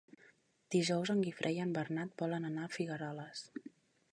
Dijous en Guifré i en Bernat volen anar a Figueroles.